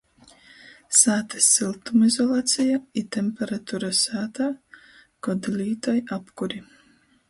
Sātys syltumizolaceja i temperatura sātā, kod lītoj apkuri.